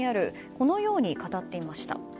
このように語っていました。